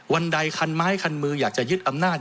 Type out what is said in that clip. วันใดคันไม้คันมืออยากจะยึดอำนาจ